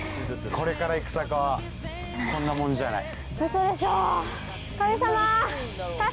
これから行く坂はこんなもんじゃない。